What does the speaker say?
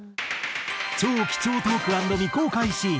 超貴重トーク＆未公開シーン。